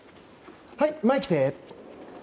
はい、前来て！